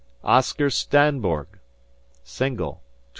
"Oscar Standberg, single, 25.